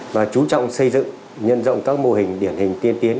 và chú trọng xây dựng nhân rộng các mô hình điển hình tiên tiến